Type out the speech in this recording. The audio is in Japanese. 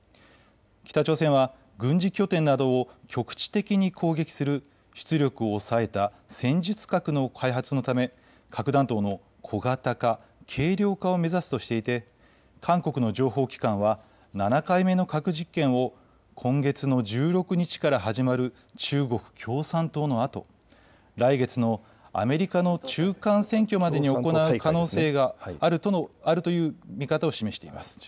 北朝鮮は軍事拠点などを局地的に攻撃する出力を抑えた戦術核の開発のため、核弾頭の小型化、軽量化を目指すとしていて韓国の情報機関は７回目の核実験を今月の１６日から始まる中国共産党大会のあと、来月のアメリカの中間選挙までに行う可能性があるという見方を示しています。